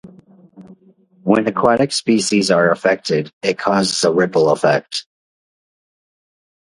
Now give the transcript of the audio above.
When aquatic species are affected, it causes a ripple effect.